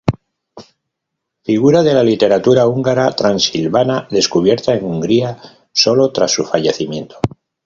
Figura de la literatura húngara transilvana descubierta en Hungría sólo tras su fallecimiento.